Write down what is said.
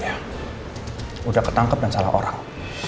iya udah ketangkep dan salah orang